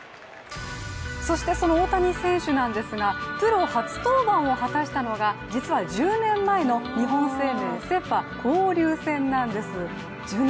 その大谷選手なんですが、プロ初登板を果たしたのが実は１０年前の日本生命セ・パ交流戦なんです。